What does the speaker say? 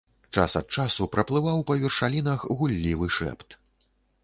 Час ад часу праплываў па вершалінах гуллівы шэпт.